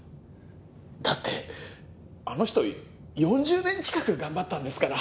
「だってあの人４０年近く頑張ったんですから」